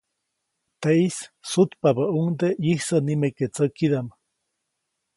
Teʼis sutpabäʼis ʼyisä nimeke teʼ tsäkidaʼm.